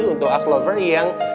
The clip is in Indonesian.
untuk ask lover yang